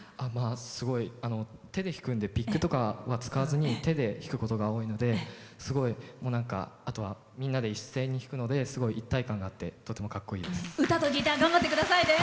すごい手で弾くんでピックとかは使わずに手で弾くことが多いのですごいみんなで一斉に弾くので一体感があってとてもかっこいいです。